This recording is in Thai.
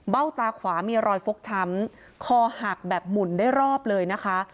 ตาขวามีรอยฟกช้ำคอหักแบบหมุนได้รอบเลยนะคะ